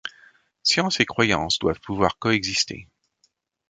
Science et croyance doivent pouvoir coexister.